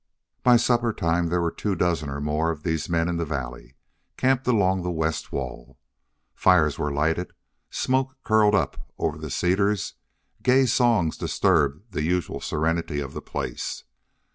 By supper time there were two dozen or more of these men in the valley, camped along the west wall. Fires were lighted, smoke curled up over the cedars, gay songs disturbed the usual serenity of the place.